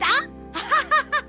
アハハハハ！